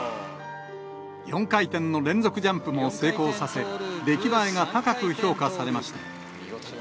４回転の連続ジャンプも成功させ、出来栄えが高く評価されました。